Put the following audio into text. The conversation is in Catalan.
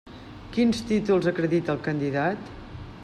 Quins títols acredita el candidat?